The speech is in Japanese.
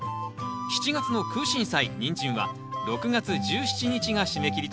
７月の「クウシンサイ」「ニンジン」は６月１７日が締め切りとなります。